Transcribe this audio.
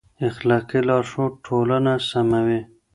اخلاقي لارښود ټولنه سموي.